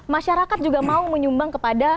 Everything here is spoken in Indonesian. masyarakat juga mau menyumbang kepada